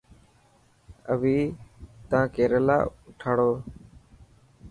اوي تا ڪيريلا اوٺاڙيو.